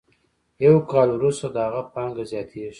یو کال وروسته د هغه پانګه زیاتېږي